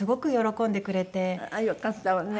ああよかったわね。